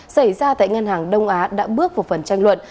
xảy ra tại ngân hàng đông á đã bước vào phần tranh luận